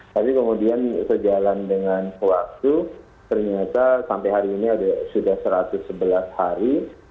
tapi kemudian sejalan dengan waktu ternyata sampai hari ini sudah satu ratus sebelas hari